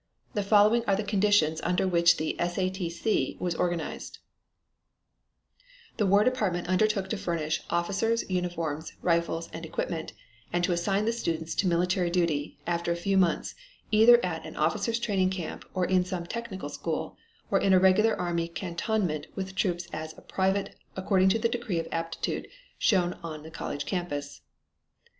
The following are the conditions under which the S. A. T. C. was organized: The War Department undertook to furnish officers, uniforms, rifles, and equipment, and to assign the students to military duty, after a few months, either at an officers' training camp or in some technical school, or in a regular army cantonment with troops as a private, according to the degree of aptitude shown on the college campus.